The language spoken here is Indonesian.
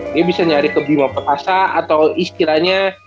dia bisa nyari ke bima perkasa atau istilahnya